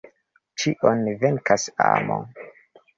Ĉion venkas amo.